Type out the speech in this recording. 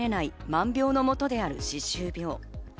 万病の元である歯周病。